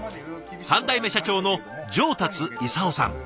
３代目社長の上達功さん。